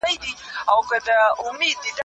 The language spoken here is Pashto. څېړونکی باید په خپله څېړنه کي خپلواک وي.